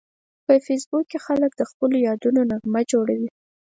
په فېسبوک کې خلک د خپلو یادونو نغمه جوړوي